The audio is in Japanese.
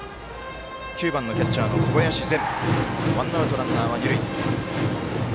９番のキャッチャーの小林然。